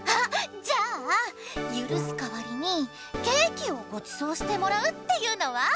じゃあゆるすかわりにケーキをごちそうしてもらうっていうのは？